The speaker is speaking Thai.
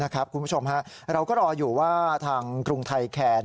คุณผู้ชมเราก็รออยู่ว่าทางกรุงไทยแคร์